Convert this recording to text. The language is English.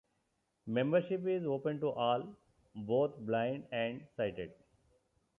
Membership is open to all, both blind and sighted.